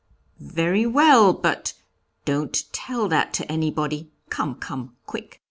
'Very well; but don't tell that to anybody; come, come, quick.'